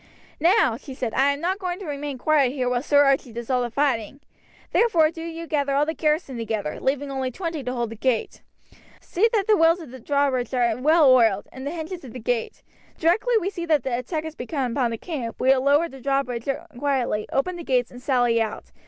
"Now," she said, "I am not going to remain quiet here while Sir Archie does all the fighting, therefore do you gather all the garrison together, leaving only twenty to hold the gate. See that the wheels of the drawbridge are well oiled, and the hinges of the gate. Directly we see that the attack has begun upon the camp we will lower the drawbridge quietly, open the gates, and sally out.